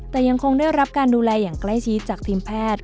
แต่ยังคงได้รับการดูแลอย่างใกล้ชิดจากทีมแพทย์